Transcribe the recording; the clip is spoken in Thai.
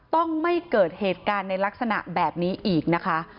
ต้องไม่เกิดเหตุการณ์ในลักษณะแบบนี้อีกนะคะ